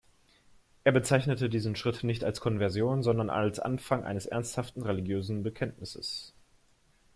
Er bezeichnete diesen Schritt nicht als Konversion, sondern als Anfang eines ernsthaften religiösen Bekenntnisses.